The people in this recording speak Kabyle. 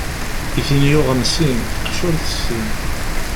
I tin yuɣen sin, acu ur tessin?